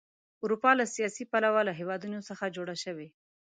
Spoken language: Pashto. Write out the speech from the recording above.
اروپا له سیاسي پلوه له هېوادونو څخه جوړه شوې.